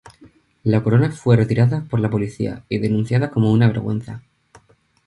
La corona fue retirada por la policía y denunciada como una vergüenza.